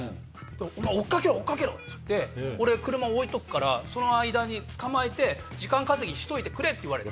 「お前追っ掛けろ追っ掛けろ」って言って「俺車置いとくからその間につかまえて時間稼ぎしといてくれ」って言われて。